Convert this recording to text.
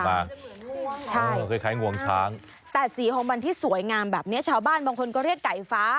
ใช่คล้ายงวงช้างแต่สีของมันที่สวยงามแบบนี้ชาวบ้านบางคนก็เรียกไก่ฟ้า